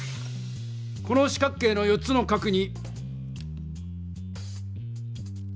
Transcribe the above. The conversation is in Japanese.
この四角形の４つの角に。